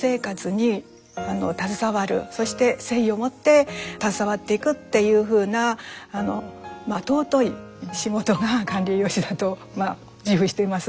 そして誠意を持って携わっていくっていうふうな尊い仕事が管理栄養士だと自負しています。